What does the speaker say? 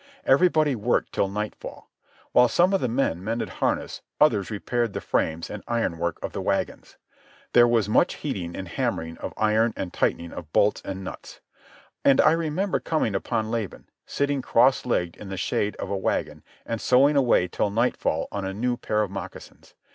Everybody worked till nightfall. While some of the men mended harness others repaired the frames and ironwork of the wagons. Them was much heating and hammering of iron and tightening of bolts and nuts. And I remember coming upon Laban, sitting cross legged in the shade of a wagon and sewing away till nightfall on a new pair of moccasins.